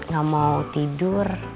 gak mau tidur